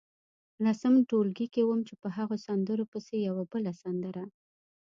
لسم ټولګي کې وم چې په هغو سندرو پسې یوه بله سندره.